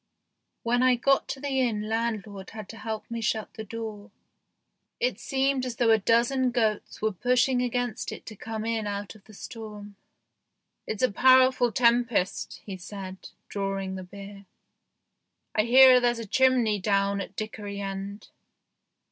When I got to the inn land lord had to help me shut the door ; it seemed as though a dozen goats were pushing against it to come in out of the storm. " It's a powerful tempest," he said, drawing the beer. " I hear there's a chimney down at Dickory End."